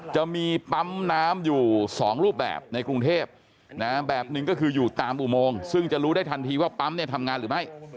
จะมีปั๊มน้ำอยู่๒รูปแบบในกรุงเทพแบบหนึ่งก็คืออยู่ตามอุโมงซึ่งจะรู้ได้ทันทีว่าปั๊มเนี่ยทำงานหรือไม่